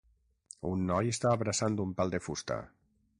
Un noi està abraçant un pal de fusta.